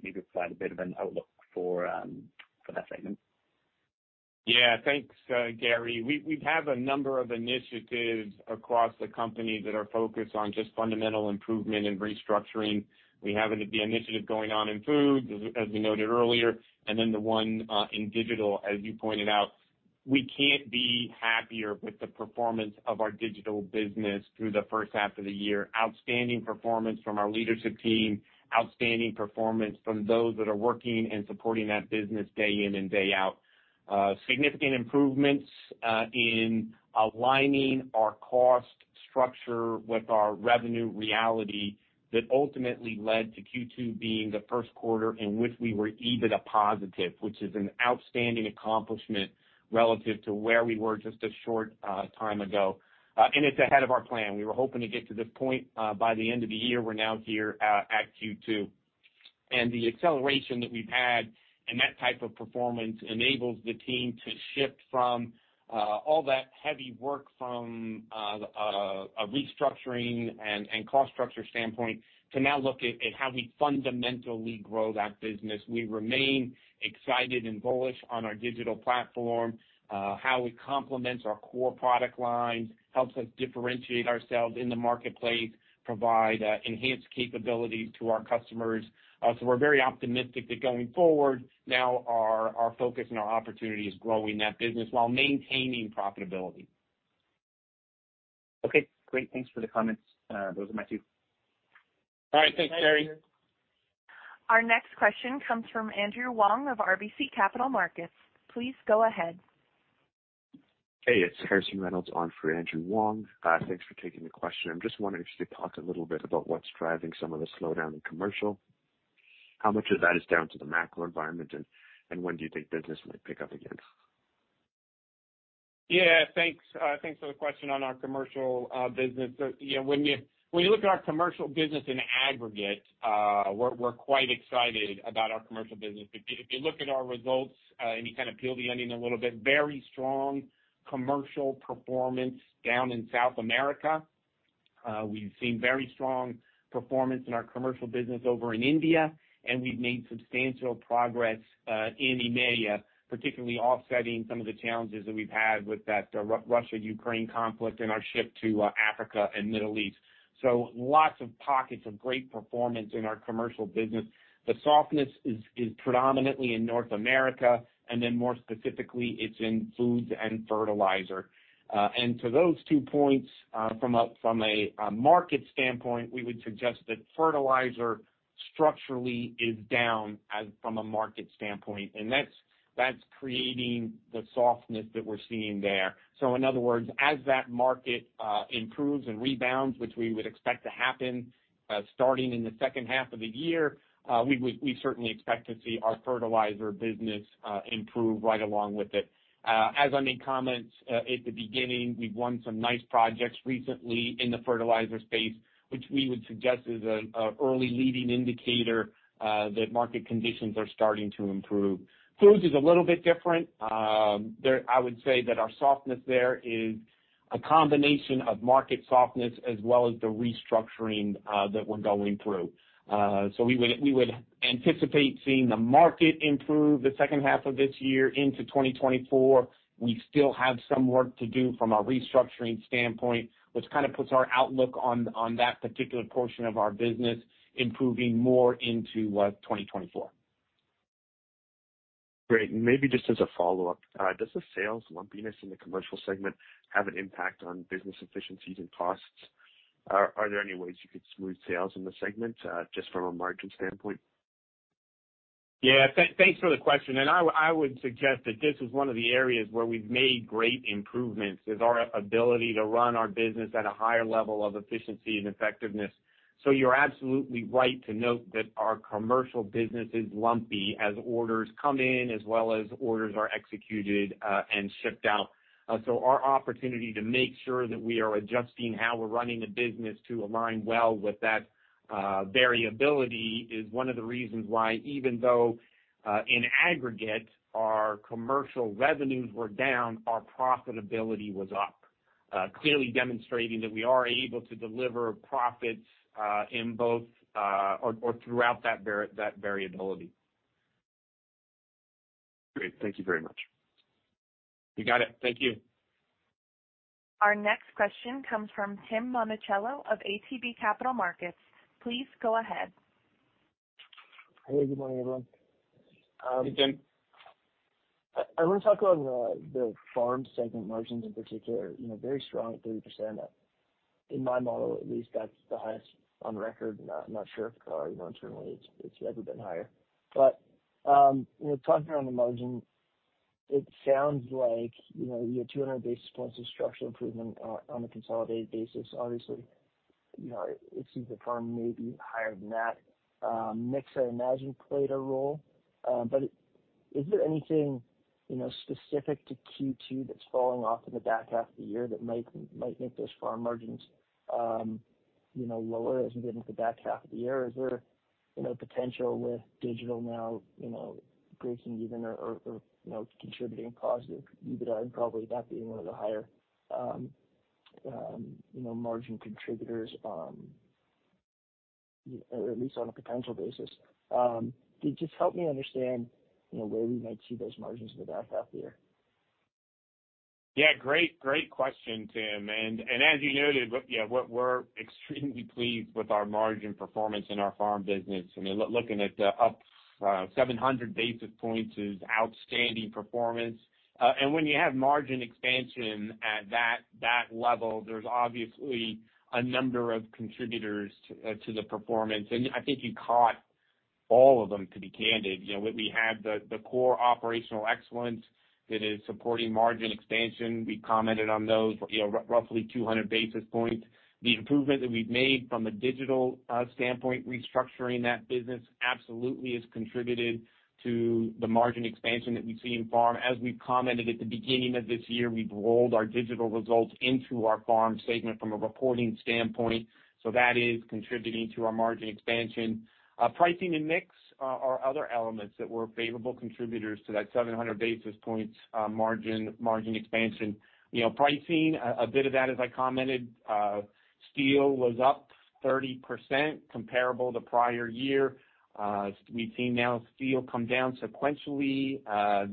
Maybe provide a bit of an outlook for, for that segment. Thanks, Gary. We, we have a number of initiatives across the company that are focused on just fundamental improvement and restructuring. We have the initiative going on in Food, as, as we noted earlier, and then the one in Digital, as you pointed out. We can't be happier with the performance of our Digital business through the first half of the year. Outstanding performance from our leadership team, outstanding performance from those that are working and supporting that business day in and day out. Significant improvements in aligning our cost structure with our revenue reality, that ultimately led to Q2 being the first quarter in which we were EBITDA positive, which is an outstanding accomplishment relative to where we were just a short time ago. It's ahead of our plan. We were hoping to get to this point by the end of the year. We're now here at Q2. The acceleration that we've had in that type of performance enables the team to shift from all that heavy work from a restructuring and, and cost structure standpoint to now look at, at how we fundamentally grow that business. We remain excited and bullish on our digital platform, how it complements our core product lines, helps us differentiate ourselves in the marketplace, provide enhanced capabilities to our customers. We're very optimistic that going forward, now our, our focus and our opportunity is growing that business while maintaining profitability. Okay, great. Thanks for the comments. Those are my two. All right. Thanks, Gary. Our next question comes from Andrew Wong of RBC Capital Markets. Please go ahead. Hey, it's Harrison Reynolds on for Andrew Wong. Thanks for taking the question. I'm just wondering if you could talk a little bit about what's driving some of the slowdown in commercial. How much of that is down to the macro environment, and, and when do you think business might pick up again? Yeah, thanks. Thanks for the question on our Commercial business. So, you know, when you, when you look at our Commercial business in aggregate, we're, we're quite excited about our Commercial business. If you, if you look at our results, and you kind of peel the onion a little bit, very strong commercial performance down in South America. We've seen very strong performance in our Commercial business over in India, and we've made substantial progress in EMEA, particularly offsetting some of the challenges that we've had with that Russia-Ukraine conflict and our ship to Africa and Middle East. So lots of pockets of great performance in our Commercial business. The softness is, is predominantly in North America, and then more specifically, it's in foods and fertilizer. To those two points, from a, from a, market standpoint, we would suggest that fertilizer structurally is down as from a market standpoint, and that's... That's creating the softness that we're seeing there. In other words, as that market improves and rebounds, which we would expect to happen, starting in the second half of the year, we would we certainly expect to see our fertilizer business improve right along with it. As I made comments, at the beginning, we've won some nice projects recently in the fertilizer space, which we would suggest is a, a early leading indicator, that market conditions are starting to improve. Foods is a little bit different. There, I would say that our softness there is a combination of market softness as well as the restructuring, that we're going through. We would, we would anticipate seeing the market improve the second half of this year into 2024. We still have some work to do from a restructuring standpoint, which kind of puts our outlook on, on that particular portion of our business, improving more into, 2024. Great. Maybe just as a follow-up, does the sales lumpiness in the Commercial segment have an impact on business efficiencies and costs? Are there any ways you could smooth sales in the segment, just from a margin standpoint? Yeah, thanks for the question, and I, I would suggest that this is one of the areas where we've made great improvements, is our ability to run our business at a higher level of efficiency and effectiveness. You're absolutely right to note that our Commercial business is lumpy as orders come in, as well as orders are executed and shipped out. Our opportunity to make sure that we are adjusting how we're running the business to align well with that variability, is one of the reasons why, even though, in aggregate, our commercial revenues were down, our profitability was up, clearly demonstrating that we are able to deliver profits, in both, or, or throughout that variability. Great. Thank you very much. You got it. Thank you. Our next question comes from Tim Monachello of ATB Capital Markets. Please go ahead. Hey, good morning, everyone. Hey, Tim. I- I wanna talk on the Farm segment margins in particular, you know, very strong at 30%. In my model, at least, that's the highest on record. I'm not sure if, you know, certainly it's, it's ever been higher. You know, talking around the margin, it sounds like, you know, you had 200 basis points of structural improvement on a consolidated basis. Obviously, you know, it seems the farm may be higher than that. Mix, I imagine, played a role, but is there anything, you know, specific to Q2 that's falling off in the back half of the year that might, might make those farm margins, you know, lower as we get into the back half of the year? Is there, you know, potential with digital now, you know, breaking even or, or, you know, contributing positive EBITDA, and probably that being one of the higher, you know, margin contributors, or at least on a potential basis? Can you just help me understand, you know, where we might see those margins in the back half of the year? Yeah, great, great question, Tim. As you noted, we're extremely pleased with our margin performance in our Farm business. I mean, looking at the up, 700 basis points is outstanding performance. When you have margin expansion at that, that level, there's obviously a number of contributors to the performance, and I think you caught all of them, to be candid. You know, we had the, the core operational excellence that is supporting margin expansion. We commented on those, you know, roughly 200 basis points. The improvement that we've made from a Digital standpoint, restructuring that business, absolutely has contributed to the margin expansion that we see in Farm. As we've commented at the beginning of this year, we've rolled our digital results into our Farm segment from a reporting standpoint, that is contributing to our margin expansion. Pricing and mix are other elements that were favorable contributors to that 700 basis points margin expansion. You know, pricing, a bit of that, as I commented, steel was up 30% comparable to prior year. We've seen now steel come down sequentially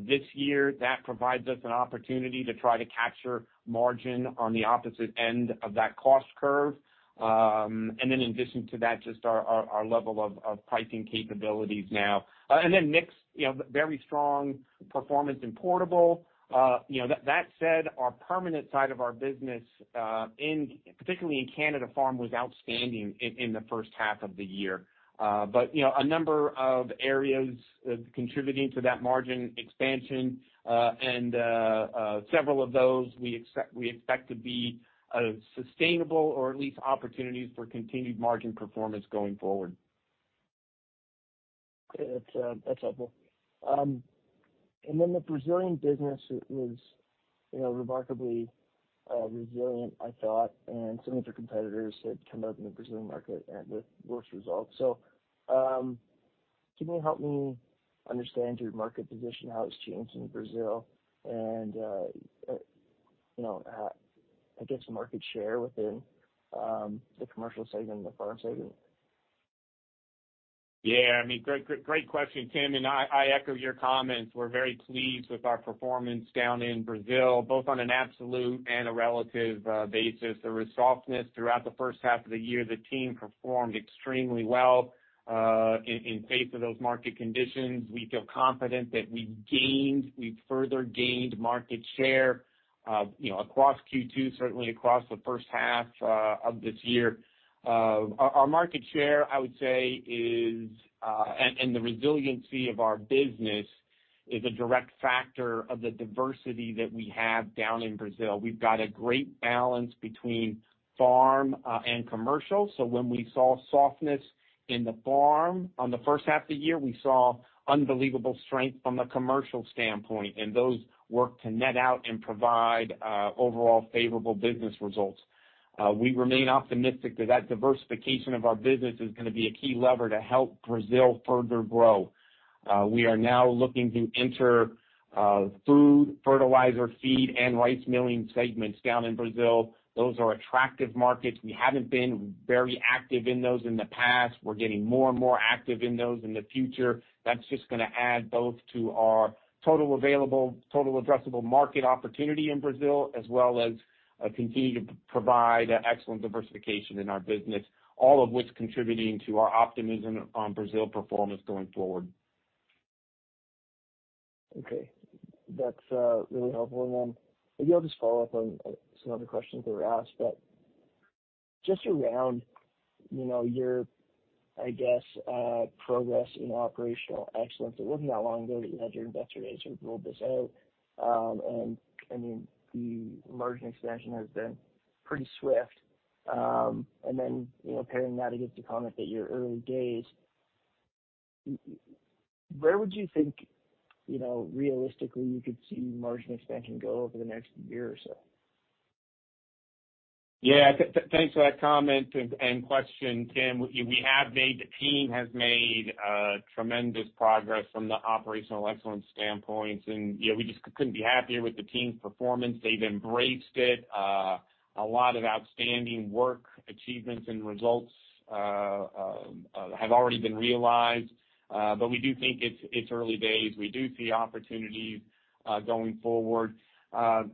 this year. That provides us an opportunity to try to capture margin on the opposite end of that cost curve. In addition to that, just our, our, our level of, of pricing capabilities now. Mix, you know, very strong performance in portable. You know, that, that said, our permanent side of our business, in, particularly in Canada Farm, was outstanding in, in the first half of the year. You know, a number of areas contributing to that margin expansion, and, several of those we expect, we expect to be, sustainable or at least opportunities for continued margin performance going forward. Okay. That's, that's helpful. The Brazilian business was, you know, remarkably, resilient, I thought, and some of your competitors had come out in the Brazilian market and with worse results. Can you help me understand your market position, how it's changed in Brazil, and, you know, I guess, market share within the Commercial segment and the Farm segment? Yeah, I mean, great, great, great question, Tim. I, I echo your comments. We're very pleased with our performance down in Brazil, both on an absolute and a relative basis. There was softness throughout the first half of the year. The team performed extremely well in, in face of those market conditions. We feel confident that we gained, we've further gained market share... you know, across Q2, certainly across the first half of this year. Our, our market share, I would say, is and the resiliency of our business is a direct factor of the diversity that we have down in Brazil. We've got a great balance between Farm and Commercial. When we saw softness in the Farm on the first half of the year, we saw unbelievable strength from a Commercial standpoint, and those work to net out and provide overall favorable business results. We remain optimistic that that diversification of our business is gonna be a key lever to help Brazil further grow. We are now looking to enter food, fertilizer, feed, and rice milling segments down in Brazil. Those are attractive markets. We haven't been very active in those in the past. We're getting more and more active in those in the future. That's just gonna add both to our total available, total addressable market opportunity in Brazil, as well as continue to provide excellent diversification in our business, all of which contributing to our optimism on Brazil performance going forward. Okay. That's really helpful. Then maybe I'll just follow up on some other questions that were asked. Just around, you know, your, I guess, progress in operational excellence, it wasn't that long ago that you had your Investor Day, so you've ruled this out. I mean, the margin expansion has been pretty swift. Then, you know, pairing that against the comment that you're early days, where would you think, you know, realistically you could see margin expansion go over the next year or so? Yeah, thanks for that comment and question, Tim. We, we have made, the team has made tremendous progress from the operational excellence standpoint, and, you know, we just couldn't be happier with the team's performance. They've embraced it. A lot of outstanding work, achievements, and results have already been realized, but we do think it's, it's early days. We do see opportunities going forward.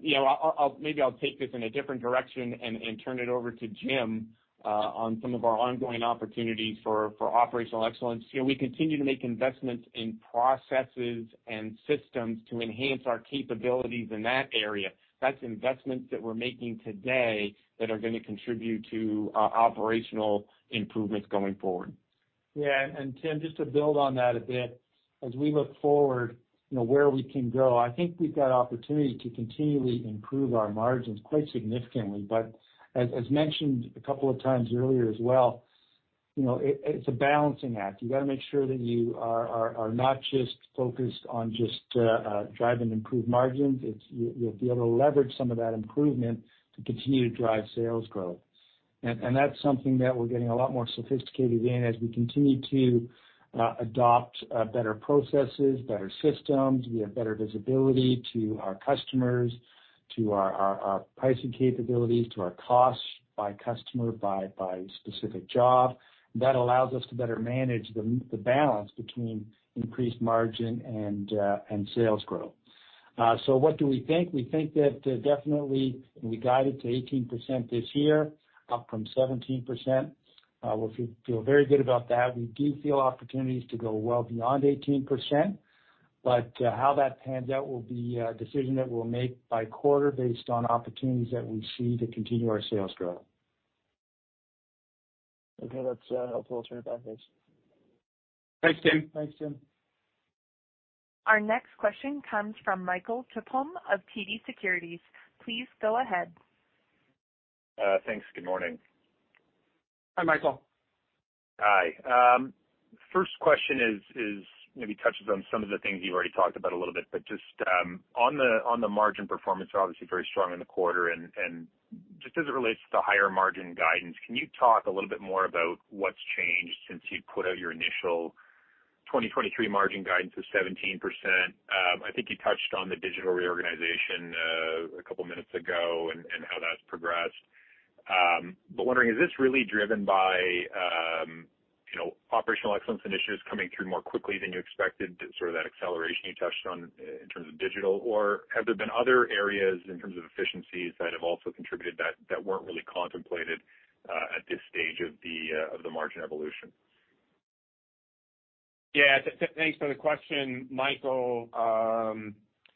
You know, I'll, I'll... Maybe I'll take this in a different direction and turn it over to Jim on some of our ongoing opportunities for operational excellence. You know, we continue to make investments in processes and systems to enhance our capabilities in that area. That's investments that we're making today that are gonna contribute to operational improvements going forward. Yeah, Tim, just to build on that a bit, as we look forward, you know, where we can go, I think we've got opportunity to continually improve our margins quite significantly. As, as mentioned a couple of times earlier as well, you know, it's a balancing act. You gotta make sure that you are not just focused on just driving improved margins. You have to be able to leverage some of that improvement to continue to drive sales growth. That's something that we're getting a lot more sophisticated in as we continue to adopt better processes, better systems. We have better visibility to our customers, to our pricing capabilities, to our costs by customer, by specific job. That allows us to better manage the balance between increased margin and sales growth. What do we think? We think that, definitely we guided to 18% this year, up from 17%. We feel, feel very good about that. We do feel opportunities to go well beyond 18%, how that pans out will be a decision that we'll make by quarter based on opportunities that we see to continue our sales growth. Okay, that's helpful. I'll turn it back, guys. Thanks, Tim. Thanks, Tim. Our next question comes from Michael Tupholme of TD Securities. Please go ahead. Thanks. Good morning. Hi, Michael. Hi. First question is, is, maybe touches on some of the things you've already talked about a little bit, but just on the, on the margin performance, obviously very strong in the quarter, and, and just as it relates to higher margin guidance, can you talk a little bit more about what's changed since you put out your initial 2023 margin guidance of 17%? I think you touched on the digital reorganization, a couple minutes ago and, and how that's progressed. Wondering, is this really driven by, you know, operational excellence initiatives coming through more quickly than you expected, sort of that acceleration you touched on in terms of Digital? Or have there been other areas in terms of efficiencies that have also contributed that, that weren't really contemplated, at this stage of the, of the margin evolution? Yeah, thanks for the question, Michael.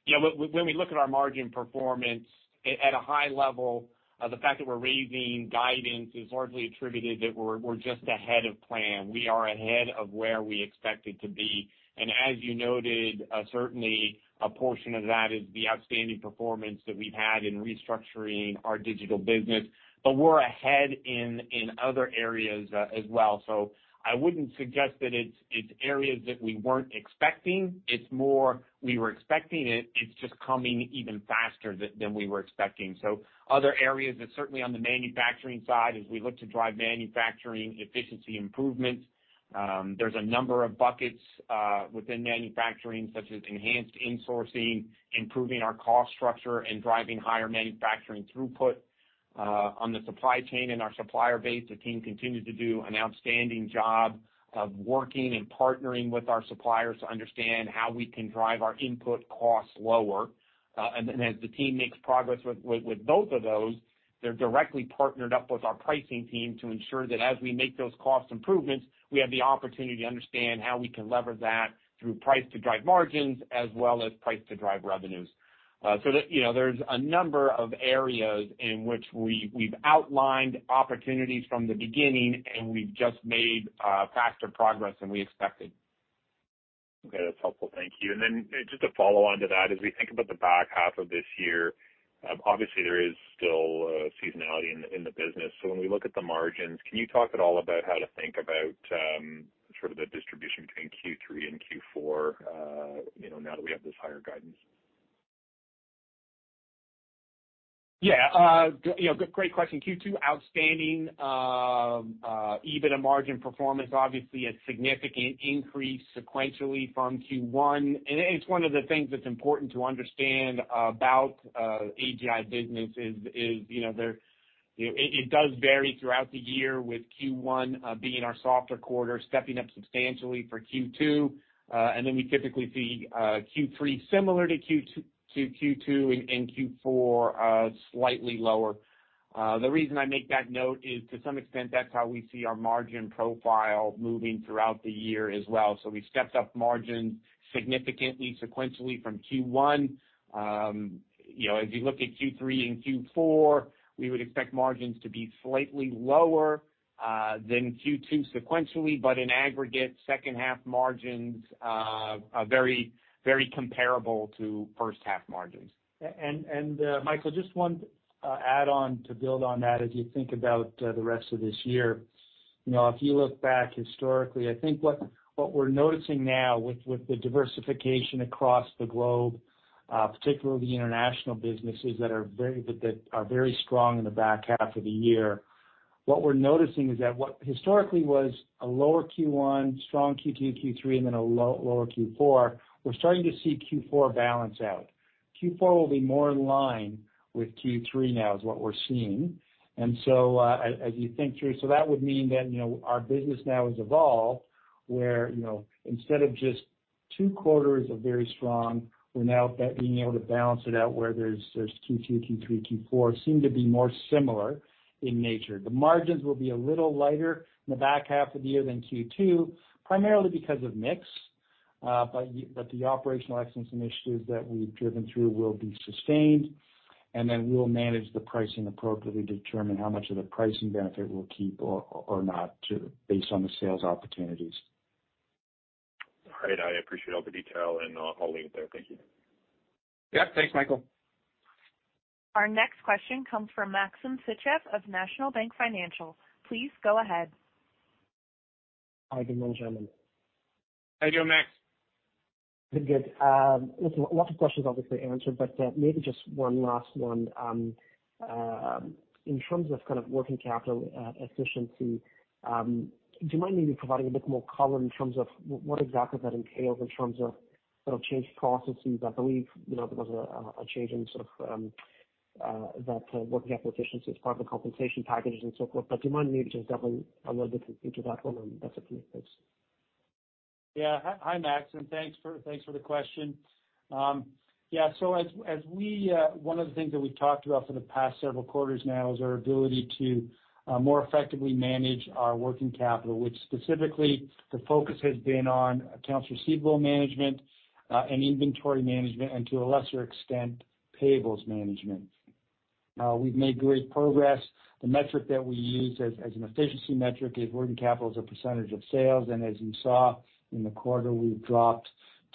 Yeah, look, when we look at our margin performance at a high level, the fact that we're raising guidance is largely attributed that we're just ahead of plan. We are ahead of where we expected to be, and as you noted, certainly a portion of that is the outstanding performance that we've had in restructuring our Digital business, but we're ahead in other areas as well. I wouldn't suggest that it's areas that we weren't expecting. It's more we were expecting it, it's just coming even faster than we were expecting. Other areas, and certainly on the manufacturing side, as we look to drive manufacturing efficiency improvements, there's a number of buckets within manufacturing, such as enhanced insourcing, improving our cost structure, and driving higher manufacturing throughput. On the supply chain and our supplier base, the team continued to do an outstanding job of working and partnering with our suppliers to understand how we can drive our input costs lower. As the team makes progress with both of those, they're directly partnered up with our pricing team to ensure that as we make those cost improvements, we have the opportunity to understand how we can lever that through price to drive margins, as well as price to drive revenues. You know, there's a number of areas in which we, we've outlined opportunities from the beginning, and we've just made faster progress than we expected. Okay, that's helpful. Thank you. Then, just a follow-on to that, as we think about the back half of this year, obviously there is still seasonality in the business. When we look at the margins, can you talk at all about how to think about sort of the distribution between Q3 and Q4, you know, now that we have this higher guidance? Yeah, you know, great question. Q2, outstanding, EBITDA margin performance, obviously a significant increase sequentially from Q1. It's one of the things that's important to understand about AGI business is, is you know it, it does vary throughout the year, with Q1 being our softer quarter, stepping up substantially for Q2. We typically see Q3 similar to Q2, to Q2, and Q4 slightly lower. The reason I make that note is, to some extent, that's how we see our margin profile moving throughout the year as well. We stepped up margins significantly sequentially from Q1. You know, as you look at Q3 and Q4, we would expect margins to be slightly lower than Q2 sequentially, but in aggregate, second half margins are very, very comparable to first half margins. Michael, just one add-on to build on that as you think about the rest of this year. You know, if you look back historically, I think what, what we're noticing now with the diversification across the globe, particularly the esses that are very strong in the back half of the year. What we're noticing is that what historically was a lower Q1, strong Q2, Q3, and then a lower Q4, we're starting to see Q4 balance out. Q4 will be more in line with Q3 now, is what we're seeing. As you think through, that would mean then, you know, our business now has evolved where, you know, instead of just two quarters of very strong, we're now being able to balance it out where there's Q2, Q3, Q4 seem to be more similar in nature. The margins will be a little lighter in the back half of the year than Q2, primarily because of mix, but the operational excellence initiatives that we've driven through will be sustained, and then we'll manage the pricing appropriately to determine how much of the pricing benefit we'll keep or not to, based on the sales opportunities. All right. I appreciate all the detail, and, I'll leave it there. Thank you. Yeah. Thanks, Michael. Our next question comes from Maxim Sytchev of National Bank Financial. Please go ahead. Hi, good morning, gentlemen. How you doing, Max? Good, good. Lots of, lots of questions obviously answered, but maybe just one last one. In terms of kind of working capital efficiency, do you mind maybe providing a bit more color in terms of what exactly that entails in terms of sort of changed processes? I believe, you know, there was a, a change in sort of that working capital efficiency as part of the compensation packages and so forth. Do you mind maybe just delving a little bit into that one, and that's it for me. Thanks. Yeah. Hi, Hi, Max, thanks for, thanks for the question. So as, as we, one of the things that we've talked about for the past several quarters now is our ability to more effectively manage our working capital, which specifically the focus has been on accounts receivable management, and inventory management, and to a lesser extent, payables management. We've made great progress. The metric that we use as, as an efficiency metric is working capital as a percentage of sales. As you saw in the quarter, we've dropped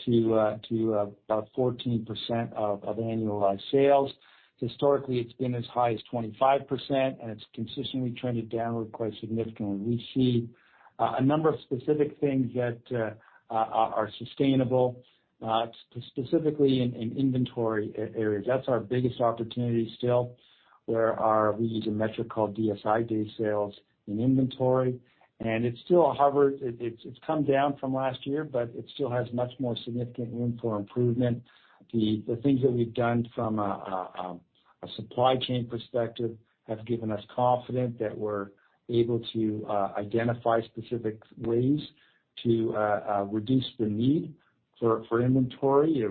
to to about 14% of annualized sales. Historically, it's been as high as 25%. It's consistently trending downward quite significantly. We see a number of specific things that are sustainable, specifically in in inventory areas. That's our biggest opportunity still, where our. We use a metric called DSI, days sales in inventory, and it's come down from last year, but it still has much more significant room for improvement. The things that we've done from a supply chain perspective have given us confidence that we're able to identify specific ways to reduce the need for inventory.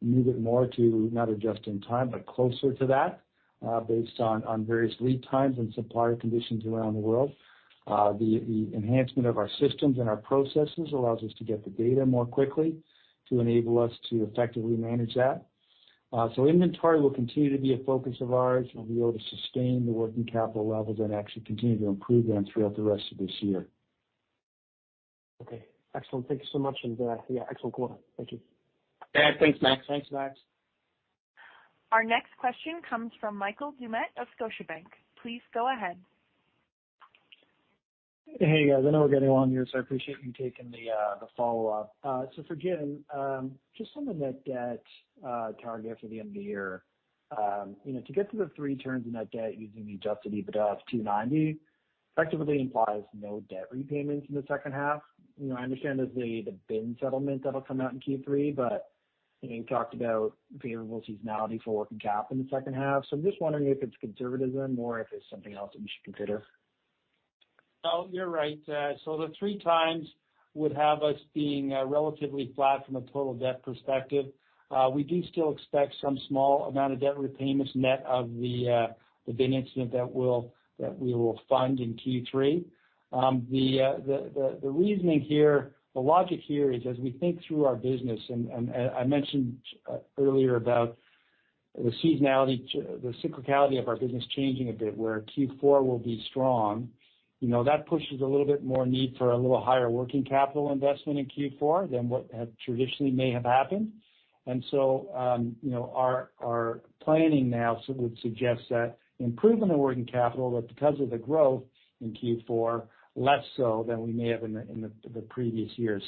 move it more to not adjust in time, but closer to that, based on various lead times and supplier conditions around the world. The enhancement of our systems and our processes allows us to get the data more quickly to enable us to effectively manage that. Inventory will continue to be a focus of ours. We'll be able to sustain the working capital levels and actually continue to improve them throughout the rest of this year. Okay, excellent. Thank you so much, and, yeah, excellent quarter. Thank you. Yeah, thanks, Max. Thanks, Max. Our next question comes from Michael Doumet of Scotiabank. Please go ahead. Hey, guys. I know we're getting on here, so I appreciate you taking the, the follow-up. For Jim, just on the net debt target for the end of the year. You know, to get to the 3 turns in net debt using the Adjusted EBITDA of 290, effectively implies no debt repayments in the second half. You know, I understand there's the, the bin settlement that'll come out in Q3, but you talked about favorable seasonality for working cap in the second half. I'm just wondering if it's conservatism or if it's something else that we should consider. No, you're right. The 3x would have us being relatively flat from a total debt perspective. We do still expect some small amount of debt repayments net of the Bin Incident that we will fund in Q3. The reasoning here, the logic here is as we think through our business, and I mentioned earlier about the seasonality the cyclicality of our business changing a bit, where Q4 will be strong. You know, that pushes a little bit more need for a little higher working capital investment in Q4 than what had traditionally may have happened. You know, our planning now would suggest that improvement in working capital, but because of the growth in Q4, less so than we may have in the previous years.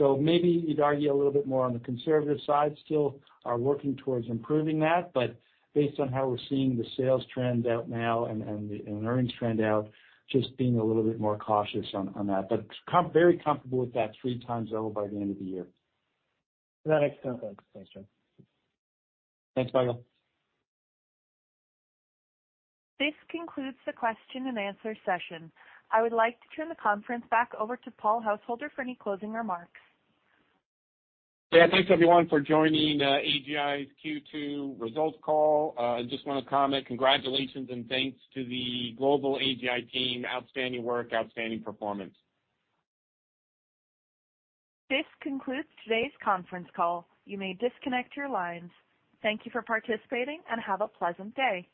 Maybe you'd argue a little bit more on the conservative side, still are working towards improving that, but based on how we're seeing the sales trend out now and the earnings trend out, just being a little bit more cautious on that. Very comfortable with that 3x over by the end of the year. That makes sense. Thanks, Jim. Thanks, Michael. This concludes the question and answer session. I would like to turn the conference back over to Paul Householder for any closing remarks. Yeah. Thanks, everyone, for joining AGI's Q2 results call. I just want to comment, congratulations, and thanks to the global AGI team. Outstanding work, outstanding performance. This concludes today's conference call. You may disconnect your lines. Thank you for participating, and have a pleasant day.